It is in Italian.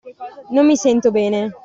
Non mi sento bene.